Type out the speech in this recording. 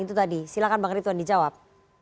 itu tadi silahkan bang ritwan dijawab